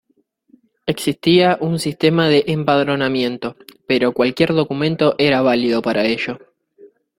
Existía un sistema de empadronamiento, pero cualquier documento era válido para ello.